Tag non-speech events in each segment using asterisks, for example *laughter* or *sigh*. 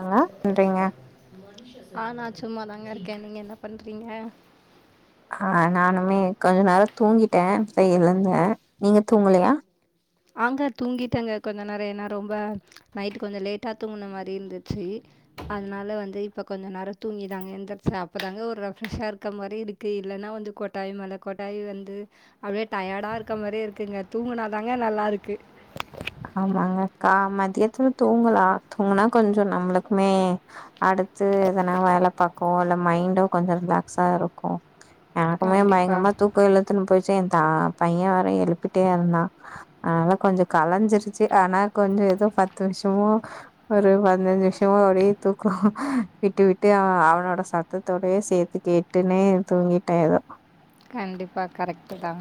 என்னா பண்றிங்க ஆ நா சும்மாதாங்க இருக்க நீங்க என்ன பண்றீங்க ஆ நானுமே கொஞ்ச நேரோ தூங்கிட்ட இப்ப எழுந்த நீங்க தூங்கலயா ஆங்க தூங்கிட்டங்க கொஞ்ச நேரோ எனா ரொம்ப நைட்டு கொஞ்சோ லேட்டா தூங்குனமாரி இருந்துச்சு அதனால வந்து இப்ப கொஞ்சோ நேரோ தூங்கிதாங்க எந்திர்ச்ச அப்பதாங்க ஒரு ரெஃப்ரஷ்ஷா இருக்கமாரி இருக் கு இல்லன்னா வந்து கொட்டாய் மேல கொட்டாய் வந்து அப்டியே டயர்டா இருக்கமாரி இருக்குங்க தூங்கனாதாங் இங்க நல்லாருக்கு ஆமாங்க அக்கா மதியத்துல தூங்கலா தூங்குனா கொஞ்சோ நம்முளுக்குமே அடுத்து எதனா வேல பாக்குவோ இல்ல மைண்டு கொஞ்சோ ரிலாக்ஸா இருக்கு அவ கண்டிப்பா, பய்ங்கரம்மா தூ இலுத்துன்னு போய்ர்ச்சு எ தா பைய வேற எழுப்பிட்டே இருந்தா அதனால கொஞ்சோ கலஞ்சிரு ச்சு ஆனா கொஞ்சோ எதோ பத்து வர்ஷமோ ஒரு பதினஞ்சு நிம்ஷமா ஓரே தூக்கோ விட்டு விட்டு அவ அவனோட சத் தத்தோடயே சேத்து கேட்டுனே தூங்கிட்டே எதோ கண்டிப்பா கரெக்ட்டுதா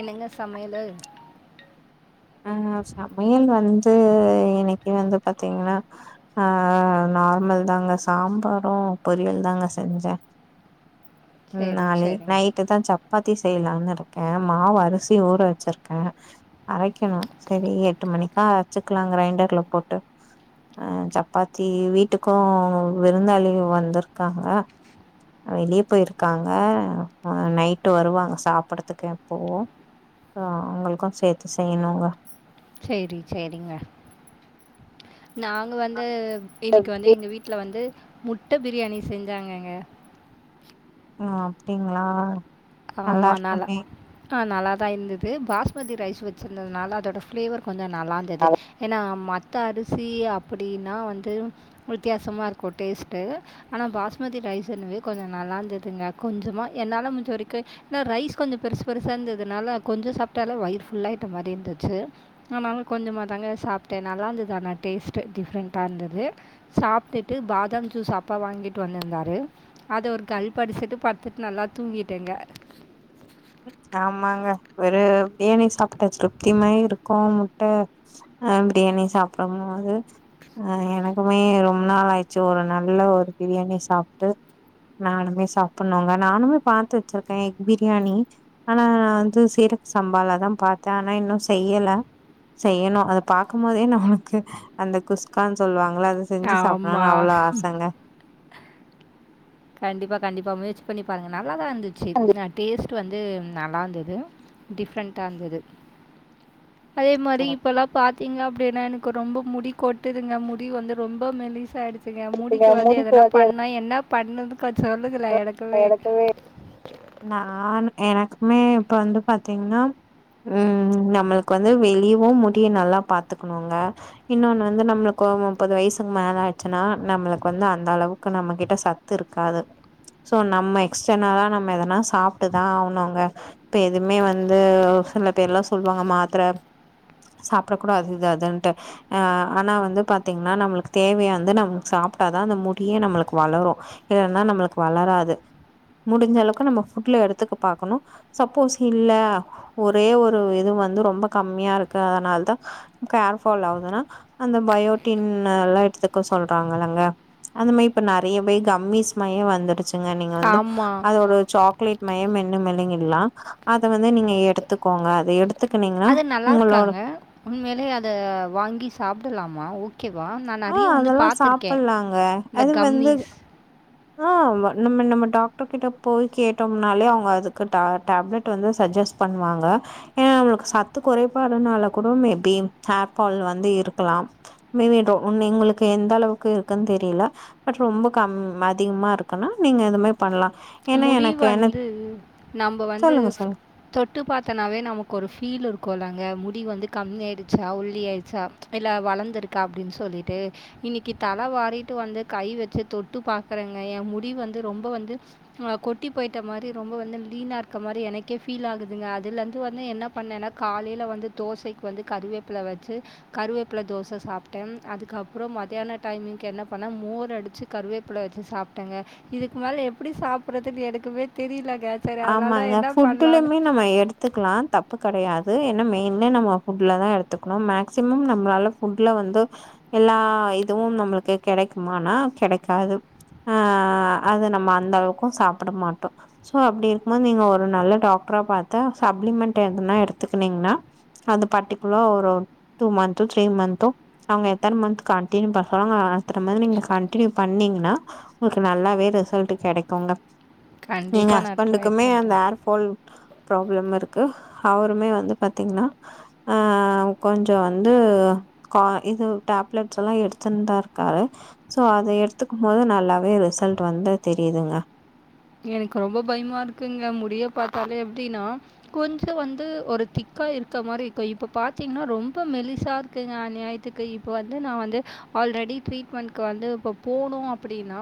என்னங்க சமையலு ஆ சமையல் வந்து இன்னிக்கு வந்து பாத்தீங்கன்னா ஆ நார்மல் தாங்க சாம்பாரு பொரியல் தாங்க செஞ்ச ம் சரி, நாளைக் சரிங்க. நைட் ட்டுதா சப்பாத்தி செய்யலான்னு இருக்கே மாவ் அர்சி ஊற வச்சிர்க்கே அரைக் கணு செரி எட்டு மணிக்கா அரச்சுக்கலா க்ரைண்டர்ல போட்ட அ சப்பாத்தி வீட்டுக்கும் விருந்தாளிங்க வந்திருக்காங்க வெளிய போயிருக்காங்க ஆ நைட்டு வருவாங்க சாப்பட்றதுக்கு இப்பவு ஆ அவுங்க்ளுக்கு சேத்து செய்ணுங்க செரி செரிங்க நாங்க வந்து இன்னிக்கு வந்து எங்க வீட்ல வந்து முட்ட பிரியாணி செஞ்சாங்கங்க ஆ அப்டிங்களா நல்லா ஆமா நலா இருக்குமே ஆ நல்லா தா இருந்தது பாஸ்மதி ரைஸ் வச்சுருந்ததுனால அதோட ஃப்ளேவர் கொஞ்சோ நல்லா இருந்தது ஏன்னா மத்த அரிசி அப்படின்னா வந்து வித்தியாசமா இருக்கும் டேஸ்ட்டு ஆனா பாஸ்மதி ரைஸ்ன்னவே கொஞ்ச நல்லா இருந்துதுங்க கொஞ்சமா என்னால முஞ்ச வரைக் கு ரைஸ் கொஞ்ச பெருசு பெருசா இருந்ததுனால கொஞ்சோ சாப்ட்டாலு வயிர் ஃபுல்லா ஆயிட்ட மாரி இருந்துச்சு ஆனாலு கொஞ்சமா தாங்க சாப்பிட்டே நல்லா இருந்தது ஆனா டேஸ்ட் டிஃப்ரெண்டா இருந்தது சாப்ட்டுட்டு பாதாம் ஜூஸ் அப்பா வாங்கிட்டு வந்திருந்தாரு அது ஒரு கல்ப் அடிச்சுட்டு பட்த்துட்டு நல்லா தூங்கிட்டேங்க ஆமாங்க ஒரு பிரியாணி சாப்பிட்ட திருப்திமாயி இருக்கும் முட்ட ஆ பிரியாணி சாப்டும் போது அ எனக்குமே ரொம்ப நாள் ஆயிர்ச்சு ஒரு நல்ல ஒரு பிரியாணி சாப்ட்டு நானுமே சாப்பிட்னுங்க நானுமே பாத்து வச்சிருக்கே எக் பிரியாணி ஆனா நா வந்து சீரக சம்பாலதா பாத்தே ஆனா இன்னு செய்யல செய்யணு அத பாக்கும் போதே நம்லுக்கு அந்த குஸ்கான்னு சொல்லுவாங்களா அது செஞ்சு ஆமா. சாப்பிடலான்னு அவ்ளோ ஆசங்க கண்டிப்பா கண்டிப்பா முயற்ச்சி பண்ணி பாருங்க நல்லாதா இருந்துச்சு நா டேஸ்ட் டு வந்து நல்லா இர்ந்தது டிஃப்ரெண்டா இர்ந்தது அதே மாரி இருக்குங்க இப்பலா பாத்தீங்க அப்டின்னா எனக்கு ரொம்ப முடி கொட்டுதுங்க முடி வந்து ரொம்ப மெலிஸ் ஆயிடுச்சு ஏ முடிக்கு வந்து எதனா பண்ணா என்ன பண்ணுன்னு கொஞ்சோ சொல்லுங்களே எனக் எனக்குவே நானு எனக்குமே இப்ப வந்து பாத்தீங்கன்னா ம் நம்மளுக்கு வந்து வெளியவு முடிய நல்லா பாத்துக்கணுங்க இன்னொன்னு வந்து நம்மளுக்கு முப்பது வயசுக்கு மேல ஆடுச்சுன்னா நம்மளுக்கு வந்து அந்த அளவுக்கு நம்ம கிட்ட சத் திருக்காது சோ நம்ம எக்ஸ்டர்னலா நம்ம எதனா சாப்பிட்டுதா ஆவ்னுங்க இப்ப எதுமே வந்து சில பேர் எல்லா சொல்லுவாங்க மாத்திர சாப்பிட கூட இது அதுன்ட்டு ஆ ஆனா வந்து பாத்தீங்கன்னா நம்மளுக்கு தேவையா வந்து நம்மளுக்கு சாப்பிட்டாதா அந்த முடியே நம்மளுக்கு வளரு இல்லன்னா நம்மளுக்கு வளராது முடிஞ்ச அளவுக்கு நம்ம புட்ல எடுத்துக்க பாக்கணும் சப்போஸ் இல்ல ஒரே ஒரு இது வந்து ரொம்ப கம்மியா இருக்கு அதனால் தா ஹேர் பால் ஆகுதுன்னா அந்த பயோட்டின் எல்லா எடுத்துக்க சொல்றாங்கல்லங்க அந்த மாதிரி இப்ப நிறைய பே கம்மிஸ் மாறியே வந்து நீங்க நீங்க வந்து ஆமா. அது ஒரு சாக்லேட் மாயே மென்னு மெலுங்கர்ல்லா அத வந்து நீங்க எடுத்துக்கோங்க அத எடுத்துக்கனீங்கன்னா அது நல்லா உங்களோட இருக்காங்க. உண்மையிலே அத வாங்கி சாப்பிட்லாமா ஓ கேவா நா ஆ நெறைய வந்து அதெல்லா பாத்துருக்கே சாப்பலாங்க இந்த அது வந்து கம்மீஸ் ஆ நம்ம நம்ம டாக்ட்ரு கிட்ட போய் கேட்டோம்னாலே அவுங்க அதுக்கு டா டேப்லெட் வந்து சஜெஸ்ட் பண்ணுவாங்க ஏ அவுளுக்கு சத்து குறைபாடுனால கூட மேபி ஹேர்ஃபால் வந்து இருக்கலாம் மேட்ரோ உன் நீ உங்களுக்கு எந்த அளவுக்கு இருக்குன் தெரில பட் ரொம்ப கம் அதிகமா இருக்குனா நீங்க இதுமாரி பண்லா முடி வந்து நம்ப வந்து சொல்லுங்க சொல்லுங்க தொட்டு பாத்தனாவே நமக்கொரு ஃபீல் இருக்குல்லங்க முடி வந்து கம்மி ஆயிடுச்சா ஒள்ளி ஆயிடுச்சா இல்ல வளந்திருக்கா அப்டின் சொல்லீட்டு இன்னைக்கு தல வாரிட்டு வந்து கை வெச்சு தொட்டு பாக்குறேங்க எ முடி வந்து ரொம்போ வந்து அ கொட்டி போயிட்ட மாரி ரொம்ப வந்து லீனாக இருக்க மாரி எனக்கே ஃபீல் ஆகுதுங்க அதுலருந்து வந்து என்ன பண்ணேன்னா காலைல வந்து தோசைக்கு வந்து கருவேப்பில வெச்சு கருவேப்பில தோச சாப்பிட்டே அதுக்கப்றோ மத்தியான டைமிங் என்ன பண்ண மோரடிச்சி கருவேப்பில வெச்சிசாப்ட்டேங்க இதுக்கு மேல எப்டி சாப்பிடடுறதுன்னு எனக்குமே தெரியலங்க சரி அதனால தான் ஆமாங்க என்ன பண்ணலான்னு ஃபுட்டுலுமே நம்ம எடு த்துக்கலா தப்பு கெடையாது ஏனா மெயின்லே நம்ம ஃபுட்டில தா எடுத்துக்கணு மேக்சிமம் நம்மளால ஃபுட்ல வந்து எல்லா இதுவும் நம்மளுக்கு கெடைக்குமனா கெடைக்காது ஆ அது நம்ம அந்தளவுக்கு சாப்பிட மாட்டோ சோ அப்டி இருக்கும்போது நீங்க ஒரு நல்ல டாக்ட்ரா பாத்து சப்ளிமெண்ட் எதுனா எடுத்துக்கனீங்ன்னா அந்த பர்ட்டிகுலோ ஒரு டூ மந்த்து த்ரீ மந்த்து அவுங்க எத்தன மந்த்த் கண்டினியூ பண்றாங்க அத்தன மேல் நீங்க கண்டினியூ பண்ணீங்ன்னா உங்களுக்கு நல்லாவே ரிசல்ட் கெடைக்குங்க கண்டிப்பா நா ரெண்டுக்குமே அந்த ஹேர்பால் ப்ராப்ளம் இருக்கு அவருமே வந்து பாத்தீங்ன்னா ஆ கொஞ்சோ வந்து கா இது டேப்லெட்ஸ் எல்லா எடுத்துன்தா இருக்காரு சோ அத எடுத்துக்கும் போது நல்லா வே ரிசல்ட் வந்து தெரியிதுங்க எனக்கு ரொம்போ பயமா இருக்குங்க முடிய பாத்தாலே எப்டின்னா கொஞ்சோ வந்து ஒரு திக்கா இருக்க மாரி இருக்கு இப்ப பாத்தீங்ன்னா ரொம்ப மெலிசா இருக்குங்க அநியாயத்துக்கு இப்போ வந்து நா வந்து ஆல்ரெடி ட்ரீட்மெண்ட்கு வந்து இப்போ போணு அப்டின்னா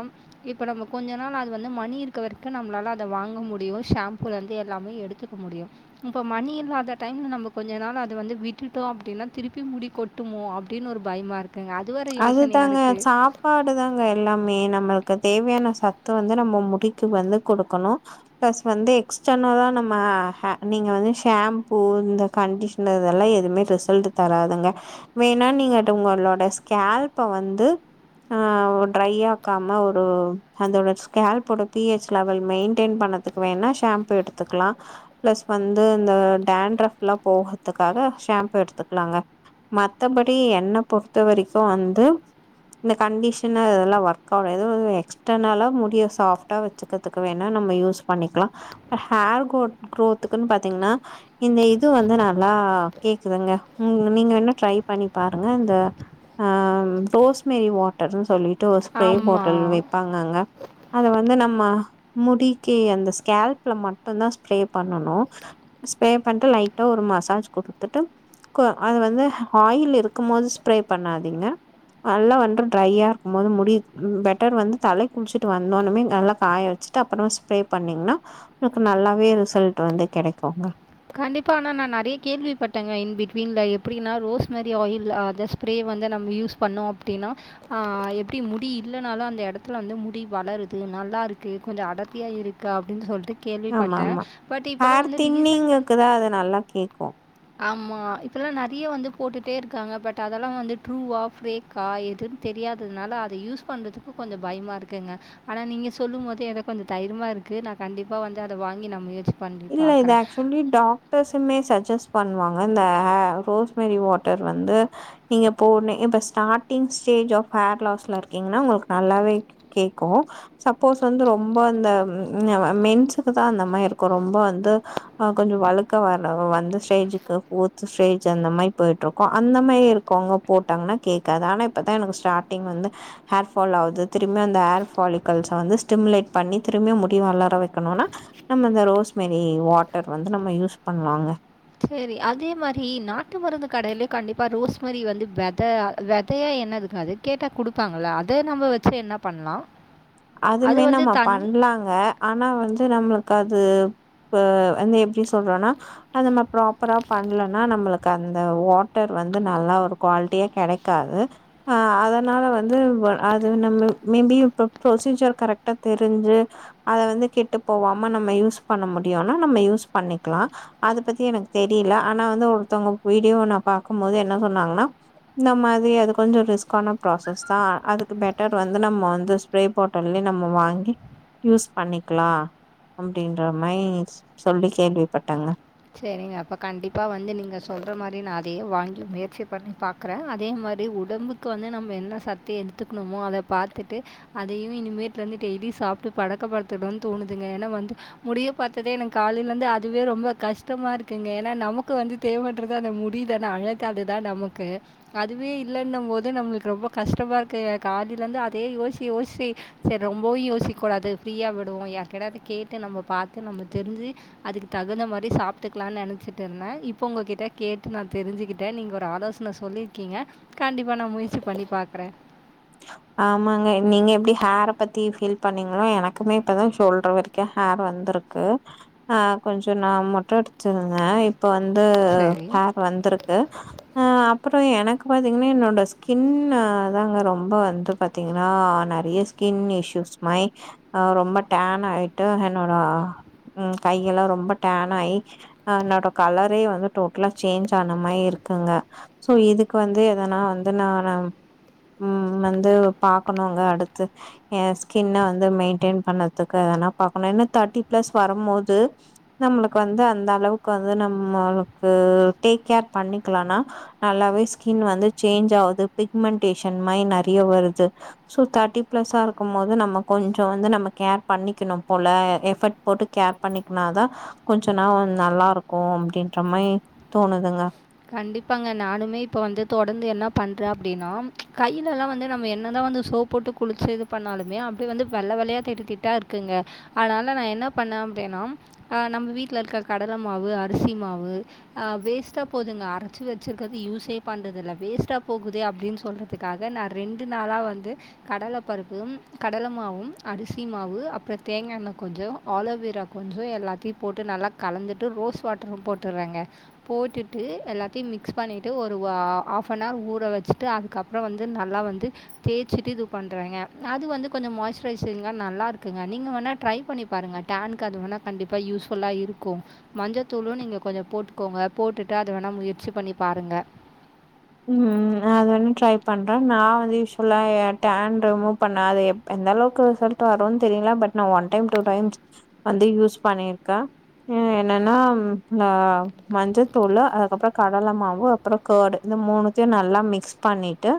இப்ப நம்ம கொஞ்ச நாள் அது வந்து மணி இரு க்க வரைக்கு நம்மளால அத வாங்க முடியும் ஷாம்புலருந்து எல்லாமே எடுத்துக்க முடியு இப்ப மணி இல்லாத டைம்ல நம்ம கொஞ்சோ நாள் அத வந்து விட்டுட்டோ அப்டின்னா திருப்பி முடிக்கொ டுமோ அப்டின் ஒரு பயமா இருக்குங்க அது வேற யோசனையா இருக்கு ப்பாடுதாங்க எல்லாமே நம்மளுக்கு தேவையான சத்து வந்து நம்ம முடிக்கு வந்து கொடுக்கணு பிளஸ் வந்து எக்ஸ்டனல்ல நம்ம அ நீங்க வந்து ஷேம்பூ இந்த கண்டிஷனருது எல்லா எதுவுமே ரிசல்ட் தராதுங்க வேணா நீங்க உங்களோட கேல்ப்ப வந்து அ ட்ரையாக்காம ஒரு அதோட ஸ்கேல்ப்போட பி ஹெச் லெவல் மெயின்டெயின் பண்ணதுக் கு வேனா ஷேம்பு எடுத்துக்கலா பிளஸ் வந்து இந்த டான்ட்ராஃப்ல்லா போகற்துக்காக ஷேம்பூ எடுத்துக்கலாங்க மத்தபடி என்ன பொறுத்த வரைக்கு வந்து இந்த கண்டிஷனரு இதெல்லா ஒர்க் *unintelligible* எக்ஸ்டர்னலா முடிய சாப்டா வெச்சிக்கிறதுக்கு வேணா நம்ம யூஸ் பண்ணிக்லா ஹேர்குரோ குரோத்துக்குன்னு பாத்தீங்ன்னா இந்த இது வந்து நல்லா கேக்குதுங்க நீங்க வேணுனா ட்ரை பண்ணி பாருங்க இந்த ஆ ரோஸ்மெரி வாட்டர்னு சொல்லிட்டு ஒரு ஸ்ப்ரே ஆமா. பாட்டில் வெப்பாங்கங்க அத வந்து நம்ம முடிக்கி அந்த ஸ்கேல்ப்ல மட்டுந்தா ஸ்ப்ரே பண்ணணு ஸ்ப்ரே பண்ட்டு லைட்டா ஒரு மசாஜ் குடுத்துட்டு கு அது வந்து ஆயில் இருக்கும் போது ஸ்ப்ரே பண்ணாதீங்க நல்லா வந்து ட்ரையா இருக்கும் போது முடி பெட்டர் வந்து தலை குளிச்சுட்டு வந்தோனமே நல்லா காய வச் வச்சுட்டு அப்புறமா ஸ்ப்ரே பண்ணிங்ன்னா உங்களுக்கு நல்லாவே ரிசல்ட் வந்து கெடைக்குங்க கண்டிப்பா ஆனா நான் நறைய கேள்விப்பட்டேங்க இன் பிட்வீன்ல எப்டின்னா ரோஸ்மரி ஆயில் அத ப்ரே வந்து நம்ம யூஸ் பண்ணோ அப்டின்னா ஆ எப்டி முடி இல்லைனாலு அந்த எடத்துல வந்து முடி வளருது நல்லா இருக்கு கொஞ்சம் அடர்த்தியா இருக் கு அப்டின் சொல்ட்டு ஆமா கேள்விப்பட்டே பட் இப்பல்லா வந்து ரீசன்ட் க்குதா அது நல்லா கேக்கூ ஆமா இப்பெல்லா நறைய வந்து போட்டுட்டே இருக்காங்க பட் அதெல்லா வந்து ட்ரூவா ஃபேக் கா எதுன் தெரியாததுனால அதை யூஸ் பண்ணுறதுக்கு கொஞ்ச பயமா இருக்குங்க ஆனா நீங்க சொல்லும் போது எதோ கொஞ்சம் தைரிமா இருக்கு நா கண்டிப்பா வந்து அத வாங்கி நா முயற்சி பண்ணி இல்ல பார்க்குறேன். இது ஆக்சுலி டா க்டஸ்ஸுமே சஜஸ்ட் பண்ணுவாங்க இந்த அ ரோஸ்மெரி வாட்டர் வந்து நீங்க போன இப்ப ஸ்டார்டிங் ஸ்டேஜ் ஆப் ஹேர் லாஸ்ல இருக்கீங்கன்னா உங்களுக்கு நல்லாவே கேக்கூ சப்போஸ் வந்து ரொம்ப அந்த மென்ஸுக்கு தா அந்த மார்ருக் கொ ரொம்ப வந்து ஆ கொஞ்சொ வலுக்க வர வந்த ஸ்டேஜுக்கு ஃபோர்த் ஸ்டேஜ் அந்த மாரி போய்ட்ருக்கோ அந்த மாரி இருக்கோவ்ங்க போட்டாங்கன்னா கேக்காது ஆனா இப்பதா எனக்கு ஸ்டார்டிங் வந்து ஹேர் ஃபால் ஆகுது திரும்பி அந்த ஹேர் ஃபாலிக்கல்ஸ வந்து ஸ்டிம்லேட்பண்ணி திரும்பியு முடி வளர வெக்கனுனா இந்த ரோஸ்மெரி வாட்டர் வந்து நம்ம யூஸ் பண்லாங்க செரி அதே மாரி நாட்டு மருந்து கடைல கண்டிப்பா ரோஸ்மரி வந்து வெத வெதையா என்னதுங்க அது கேட்டா குடுப்பாங்களா அத நம்ம வச்சு என்ன பண்லா அதுமே நம்ம பண்லாங்க ஆனா வந்து நம்ளுக்கு அது இப்ப வந்து எப்டி சொல்றனா அந்த மார் ப்ராப்பரா பண்லன்னா நம்மளுக்கு அந்த வாட்டர் வந்து நல்லாருக் குவாலிட்டியா கெடைக்காது அதனால வந்து அது நம்ம மேபி இப்ப ப்ரொசீஜர் கரெக்ட்டா தெரிஞ்சு அத வந்து கெட்டு போவாம நம்ம யூஸ் பண்ண முடியுனா நம்ம யூஸ் பண்ணிக்லா அத பத்தி எனக்கு தெரியில ஆனா வந்து ஒருத்தவுங்க வீடியோ நா பாக்கும்போது என்ன சொன்னாங்கன்னா சொன்னாங்கன்னா இந்த மாதிரி அது கொஞ்சொ ரிஸ்கான ப்ராசஸ் தா அதுக்கு பெட்டர் வந்து நம்ம வந்து ஸ்ப்ரே பாட்டில்லயே நம்ம வாங்கி யூஸ் பண்ணிக்லா அப்டின்ற மாரி சொல்லி கேள்விப்பட்டேங்க செரிங்க அப்போ கண்டிப்பா வந்து நீங்க சொல்ற மாரி நா அதையே வாங்கி முயற்சி பண்ணி பாக் க்குற அதே மாரி உடம்புக்கு வந்து நம்ம என்ன சத்து எடுத்துக்ணுமோ அத பாத்துட்டு அதையு இனிமேட்லந்து டெய்லி சாப்ட்டு பலக்கப்படுத்தணுன்னு தோணுதுங்க ஏன்னா வந்து முடிய பாத்ததே எனக்கு காலையிலந்து அதுவே ரொம்ப கஷ் டமா இருக்குங்க ஏன்னா நமக்கு வந்து தேவண்றது அந்த முடிதான அழகதுதா நமக்கு அதுவே இல்லன்னும் போது நம்மளுக்கு ரொம்ப கஷ்டமாருக்கு எனக்கு ஆதிலருந்து அதே யோசி யோசி செரி ரொம்பவு யோசிக்கூடாது ஃப்ரீயாக விடுவோ யார்கிட்டயாது கேட்டு நம்ம பாத்து நம்ம தெரிஞ்சி அதுக்கு தகுந்த மாரி சாப் கத்துக்கலான் நெனச்சிட்டுருந்தே இப்ப உங்ககிட்ட கேட்டு நா தெரிஞ்சுக்கிட்டே நீங்க ஒரு ஆலோசனை சொல்லிருக்கீங்க கண்டிப்பா நா முயற்சி பண்ணி பாக்குறே *inaudible* ஆமாங்க நீங்க எப்டி ஹேரை பத்தி ஃபீல் பண்ணீங்ளோ எனக்குமே இப்பதா ஷோல்டர் வரைக்கு ஹேர் வந்துருக் *unintelligible* ஆ கொஞ்ச நா மொட்ட அடிச்ருந்தே இப்ப வந்து சரி வந்திருந்து அ அப்புறோ எனக்கு பாத்தீங்கன்னா என்னோட ஸ்கின் தாங்க ரொம்ப ரொம்ப வந்து பாத்தீங்கன்னா நெறைய ஸ்கின் இஷ்யூஸ் மை ஆ ரொம்ப டேன் ஆயிட்டு என்னோட உம் கையெல்லா ரொம்ப டேன் ஆயி அதனோட கலரே வந்து டோட்லா சேஞ்ச் ஆன மாரி இருக்குங்க சோ இதுக்கு வந்து எதனா வந்து நா உம் வந்து பாக்கணுங்க அடுத்து எ ஸ்கின்ன வந்து மெயின்டெயின் பண்ணதுக்கு எதனா பாக்கணு என்ன தேர்ட்டி பிளஸ் வரும் போது நம்மளுக்கு வந்து அந்த அளவுக்கு வந்து நம்மளுக்கு டேக் கேர் பண்ணிக்கலனா நல்லாவே ஸ்கின் வந்து சேஞ்ச் ஆகுது பிக்மென்டேஷன் மாதிரி நெறைய வருது சோ தேர்ட்டி பிளஸா இருக்கும் போது நம்ம கொஞ்சம் வந்து நம்ம கேர் பண்ணிக்கணும் போல எஃபர்ட் போட்டு கேர் பண்ணிக்கனாதான் கொஞ்ச நாள் நல்லா இருக்கும் அப்டின்ற மாதிரி தோணுதுங்க கண்டிப்பாங்க நானுமே இப்போ வந்து தொடர்ந்து என்ன பண்றேன் அப்டின்னா கையிலல்லாம் வந்து நம்ம என்னதான் வந்து சோ போட்டு குளிச்சு இது பண்ணாலுமே அப்டியே வந்து வெள்ளை வெள்ளையா திட்டு திட்டாக இருக்குதுங்க அதனால நா என்ன பண்ணே அப்டின்னா ஆ நம்ம வீட்ல இருக்க கடலை மாவு அரிசி மாவு ஆ வேஸ்ட்டா போதுங்க அரைச்சு வச்சிருக்கறது யூஸே பண்ணுறதுல்ல வேஸ்ட்டா போகுதே அப்டின்னு சொல்றதுக்காக ந்த ரெண்டு நாளா வந்து கடல பருப்பும் கடல மாவும் அரிசி மாவு அப்புற தேங்காய்ண்ண கொஞ்சோ ஆலோவேரா கொஞ்ச எல்லாத்தையு போட்டு நல்லா கலந்துட்டு ரோஸ் வாட்டரு போட்டுறேங்க போட்டுட்டு விட்டு எல்லாத்தையு மிக்ஸ் பண்ணிட்டு ஒரு ஹாஃப் அன் அவர் ஊற வச்சுட்டு அதுக்கப்புற வந்து நல்லா வந்து தேய்ச்சிட்டு இது பண்றாங்க அது வந்து கொஞ்சோ மாய்ஸ்ரைசிங்கா நல்லாருக்குங்க நீங்கள் வேணா ட்ரை பண்ணி பாருங்க டேன்கு அது வேனா கண்டிப்பா யூஸ்புல்லா இருக்கோ மஞ்சத்தூளு நீங்க கொஞ்ச போட்டுக்கோங்க போட்டு ரெண்டாது வேணா முயற்சி பண்ணி பாருங்க ம் அது வந்து ட்ரை பண்றே நா வந்து யூசலா ஏ டேன் ரிமூவ் பண்ண அத எந்த அளவுக்கு ரிசல்ட் வரும்ன்னு தெரில பட் நா ஒன் டைம் டூ டைஸ் வந்து யூஸ் பண்ணிருக்கே ம் என்னன்னா ஆ மஞ்சதூளு அதுக்கப்றோ கடலை மாவு அப்புறோ கேடு இந்த மூணுத்தையு நல்லா மிக்ஸ் பண்ணிட்டு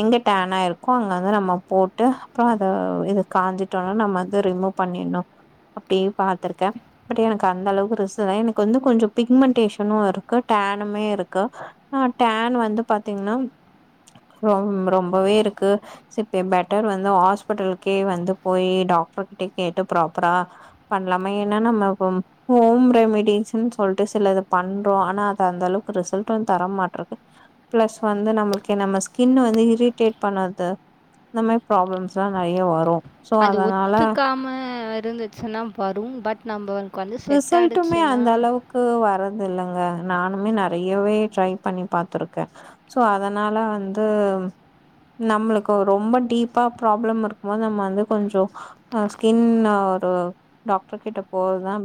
எங்க டேனாயிருக்கோ அங்க வந்து நம்ம போட்டு அப்புற அத இது காஞ்சிட்டோனா நம்ம வந்து ரிமூவ் பண்ணிருணு அப்டியே பாத்திருக்கே ப்டி எனக்கு அந்த அளவுக்கு ரிசு தா எனக்கு வந்து கொஞ்ச பிக்மென்டேஷனும் இருக்கு டேனுமே இருக்கு ஆ டேன் வந்து பாத்தீங்ன்னா ரொ ரொம்பவே இருக்கு சிப் பெட்டர் வந்து ஹாஸ்பிட்டலுக்கே வந்து போய் டாக்டர் கிட்ட கேட்டு ப்ராப்பரா பண்லாமே ஏன்னா நம்ம இப் ஹோம் ரெமடிஸ்ன்னு சொல்லிட்டு சிலது பண்றோ ஆனா அது அந்த அளவுக்கு ரிசல்ட் வந்து தர மாட்றது பிளஸ் வந்து நம்மளுக்கு நம்ம ஸ்கின் வந்து இரிட்டேட் பண்ணது இந்த மாரி ப்ராப்ளம்ஸ்லா நெறையா வரு சோ அது அதனால ஒத்துக்காம இருந்துச்சுன்னா வரும் பட் நம்ம வந் வந்து செட் ஆய்டுச்சின்னா க்கு வரது இல்லங்க நானுமே நெறையவே ட்ரை பண்ணி பாத்துருக்கே சோ அதனால வந்து நம்ளுக்கு ரொம்ப டீப்பா ப்ராப்ளம் இருக்கும்போது நம்ம வந்து கொஞ்சோ அ ஸ்கின்னா ஒரு டாக்டர் கிட்ட போறதுதா